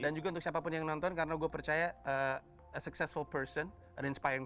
dan juga untuk siapapun yang nonton karena gue percaya a successful person an inspiring